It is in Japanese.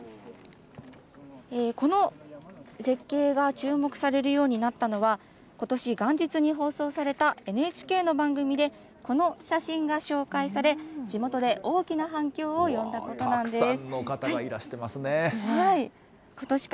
この絶景が注目されるようになったのは、ことし元日に放送されたＮＨＫの番組で、この写真が紹介され、地元で大きな反響を呼んだことなんです。